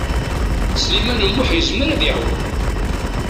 Sliman U Muḥ yezmer ad iɛum.